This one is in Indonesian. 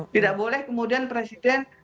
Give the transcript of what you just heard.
tidak boleh kemudian presiden